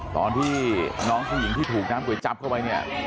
ตอนที่น้องผู้หญิงที่ถูกน้ำก๋วยจับเข้าไปเนี่ย